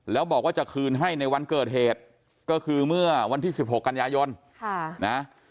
แล้วบอกว่าจะคืนให้ในวันเกิดเหตุก็คือเมื่อวันที่๑๖กันยายนนะ